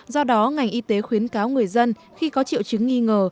do đó ngành y tế khuyến cáo người dân khi có triệu chứng nghi ngờ